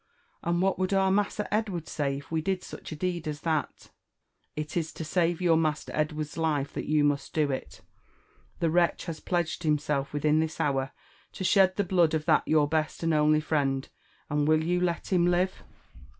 and what would ocr Massa Edward say if we did such a deed as that V "It is to save your master Edward's life that you must do it. The wretch has pledged himself within this hour to shed the blood of that your best and only friend ^and will you let him live ?"